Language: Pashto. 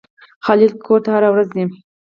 خالد کور ته هره ورځ ځي.